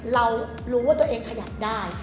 เรารู้ว่าตัวเองขยับได้